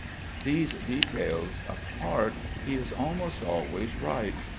These details apart, he is almost always right.